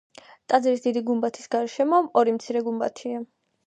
ტაძრის დიდი გუმბათის გარშემო ორი მცირე გუმბათია.